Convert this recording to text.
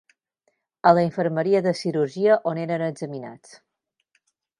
A la infermeria de cirurgia on eren examinats